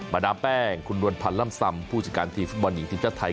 ดามแป้งคุณนวลพันธ์ล่ำซำผู้จัดการทีมฟุตบอลหญิงทีมชาติไทย